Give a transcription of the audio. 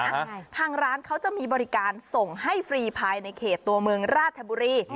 ทางร้านเขาจะมีบริการส่งให้ฟรีภายในเขตตัวเมืองราชบุรี